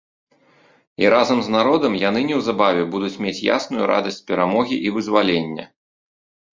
І разам з народам яны неўзабаве будуць мець ясную радасць перамогі і вызвалення.